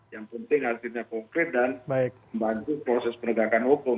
yang penting artinya konkret dan membangun proses peredakan hukum